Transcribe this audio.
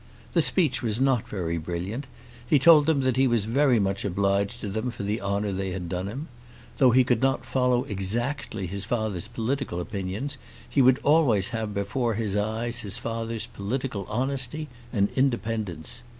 The speech was not very brilliant. He told them that he was very much obliged to them for the honour they had done him. Though he could not follow exactly his father's political opinions, he would always have before his eyes his father's political honesty and independence.